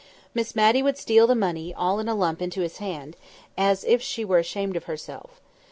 Miss Matty would steal the money all in a lump into his hand, as if she were ashamed of herself.